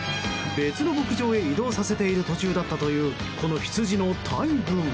別の牧場へ移動させている途中だったというこのヒツジの大群。